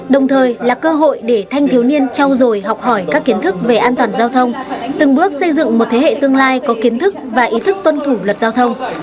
đồng thời là cơ hội để thanh thiếu niên trao dồi học hỏi các kiến thức về an toàn giao thông từng bước xây dựng một thế hệ tương lai có kiến thức và ý thức tuân thủ luật giao thông